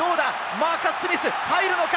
マーカス・スミス、入るのか？